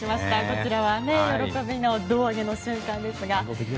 こちらは喜びの胴上げの瞬間ですが。